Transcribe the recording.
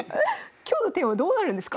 今日のテーマどうなるんですか？